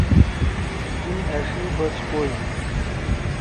گِم أݜی بچ کوئی۔